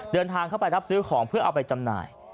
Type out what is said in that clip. เดินทางเข้าไปรับซื้อของเพื่อเอาไปจำหน่าย